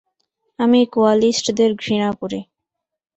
আমি কোয়ালিস্টদের ঘৃণা করি।